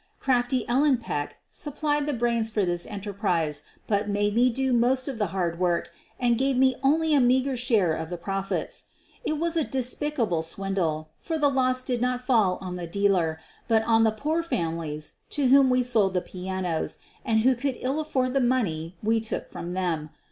Crafty Ellen Peck supplied the brains for this enterprise but made me do most of the hard work and gave me only a meager share of the profits. It was a despicable swindle, for the loss did not fall on the dealer, but on the poor families to whom we sold the pianos and who could ill afford the money we took from them.